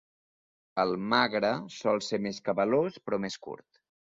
El Magre sol ser més cabalós, però més curt.